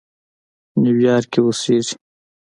نیویارک کې اوسېږي.